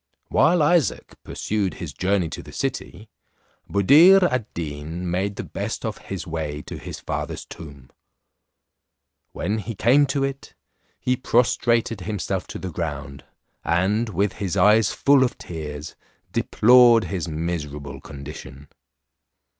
While Isaac pursued his journey to the city, Buddir ad Deen made the best of his way to his father's tomb. When he came to it, he prostrated himself to the ground, and, with his eyes full of tears, deplored his miserable condition.